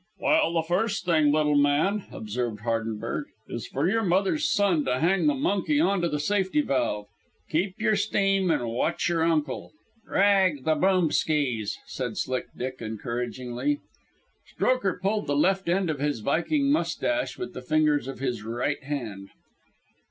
"Well, the first thing, little man," observed Hardenberg, "is for your mother's son to hang the monkey onto the safety valve. Keep y'r steam and watch y'r uncle." "Scrag the Boomskys," said Slick Dick encouragingly. Strokher pulled the left end of his viking mustache with the fingers of his right hand.